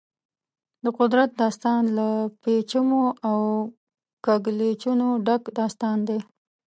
د قدرت داستان له پېچومو او کږلېچونو ډک داستان دی.